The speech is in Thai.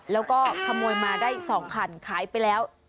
แล้วก็ขโมยมาได้๒คันขายไปแล้ว